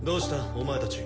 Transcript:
お前たち。